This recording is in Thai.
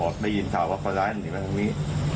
อ๋อได้ยินทราบว่าพระร้ายหนีมาตรงนี้